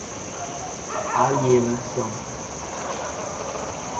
alienação